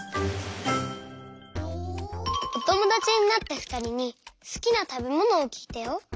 おともだちになったふたりにすきなたべものをきいたよ。